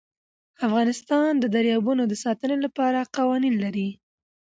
افغانستان د دریابونه د ساتنې لپاره قوانین لري.